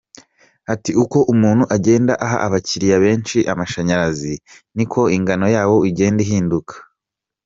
Ati “Uko umuntu agenda aha abakiriya benshi amashanyarazi, niko ingano yawo igenda ihinduka.